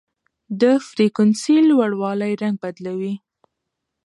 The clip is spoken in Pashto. د فریکونسۍ لوړوالی رنګ بدلوي.